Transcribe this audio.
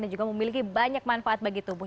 dan juga memiliki banyak manfaat bagi tubuh